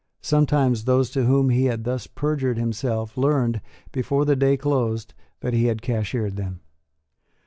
Sometimes those to whom he had thus perjured himself learned, before the day closed, that he had cashiered them.